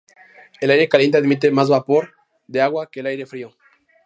El aire caliente admite más vapor de agua que el aire frío.